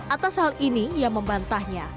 atas hal ini ia membantahnya